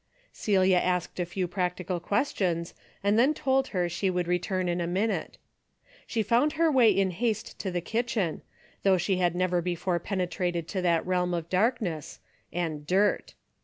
Celia asked a few practical questions, and 29 30 A DAILY DATE, then told her she would return in a minute. She found her way in haste to the kitchen, though she had never before penetrated to that realm of darkness — and dirt.